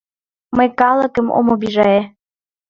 Мый калыкым ом обижае.